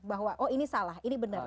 bahwa oh ini salah ini benar